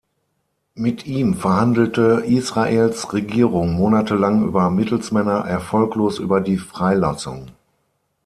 Mit ihm verhandelte Israels Regierung monatelang über Mittelsmänner erfolglos über die Freilassung.